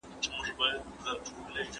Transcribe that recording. تاسي دمخه ولي نه سواست راغلي؟